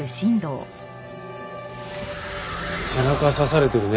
背中を刺されてるね。